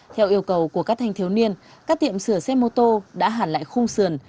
theo yêu cầu của các thanh thiếu niên các tiệm sửa xe mô tô đã hẳn lại khung sườn